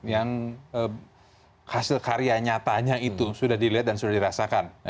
yang hasil karya nyatanya itu sudah dilihat dan sudah dirasakan